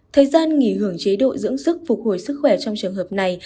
thời gian nghỉ hưởng chế độ dưỡng sức phục hồi sức khỏe trong trường hợp này